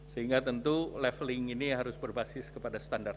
sehingga tentu leveling ini harus berbasis kepada standar